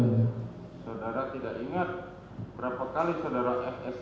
berapa kali sodara fs